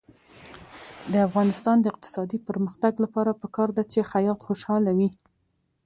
د افغانستان د اقتصادي پرمختګ لپاره پکار ده چې خیاط خوشحاله وي.